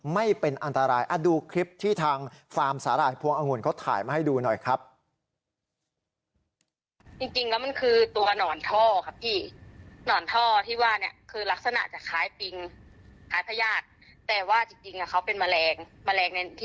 ไม่เป็นอันตรายดูคลิปที่ทางฟาร์มสาหร่ายพวงอังวล